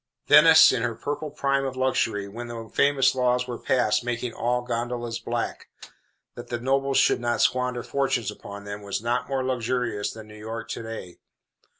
Venice in her purple prime of luxury, when the famous law was passed making all gondolas black, that the nobles should not squander fortunes upon them, was not more luxurious than New York to day.